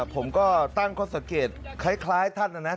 ผมก็ตั้งค้นสังเกษนใจคล้ายท่านแหละเนี้ย